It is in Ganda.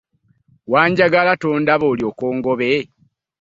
Wanjagala tondaba olyoke ongobe?